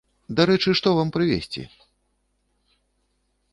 Дарэчы што вам прывезці?